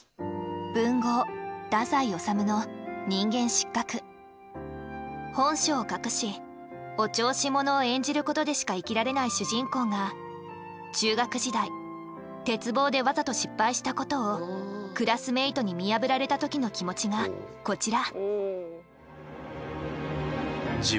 文豪本性を隠しお調子者を演じることでしか生きられない主人公が中学時代鉄棒でわざと失敗したことをクラスメートに見破られた時の気持ちがこちら。